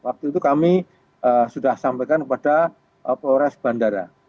waktu itu kami sudah sampaikan kepada polres bandara